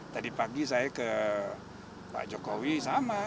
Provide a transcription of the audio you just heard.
tadi pagi saya ke pak jokowi sama